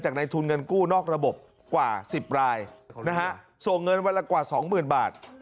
ในทุนเงินกู้นอกระบบกว่า๑๐รายนะฮะส่งเงินวันละกว่าสองหมื่นบาท